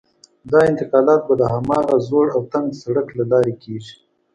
دا انتقالات به د هماغه زوړ او تنګ سړک له لارې کېږي.